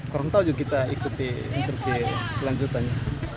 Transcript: korang tahu juga kita ikuti intercili pelanjutannya